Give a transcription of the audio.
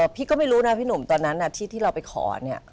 พี่ก็ไม่รู้นะพี่หนุ่มตอนนั้นที่เราไปขอเนี่ย